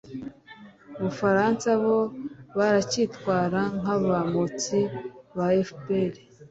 bufaransa bo baracyitwara nk'abamotsi ba fpr.